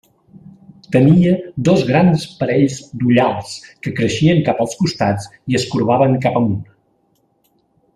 Tenia dos grans parells d'ullals que creixien cap als costats i es corbaven cap amunt.